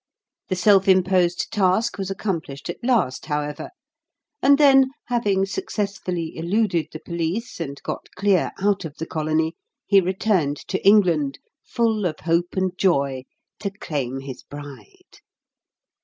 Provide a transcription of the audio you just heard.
The self imposed task was accomplished at last, however, and then, having successfully eluded the police, and got clear out of the Colony, he returned to England, full of hope and joy, to claim his bride.